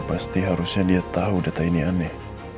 pasti harusnya dia tahu data ini aneh